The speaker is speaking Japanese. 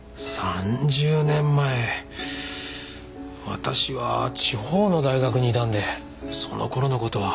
私は地方の大学にいたんでその頃の事は。